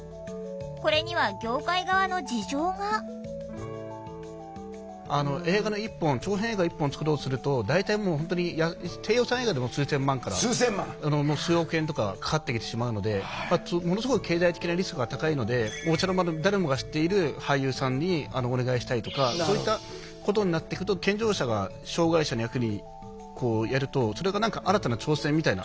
これには業界側の事情があの映画の１本長編映画１本作ろうとすると大体もう本当に低予算映画でも数千万から数億円とかかかってきてしまうのでものすごい経済的なリスクが高いのでお茶の間の誰もが知っている俳優さんにお願いしたいとかそういったことになっていくと健常者が障害者の役にやるとそれが何か新たな挑戦みたいな。